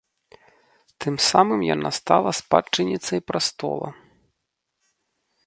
Тым самым яна стала спадчынніцай прастола.